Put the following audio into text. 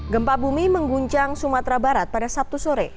gempa bumi mengguncang sumatera barat pada sabtu sore